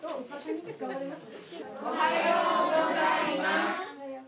おはようございます。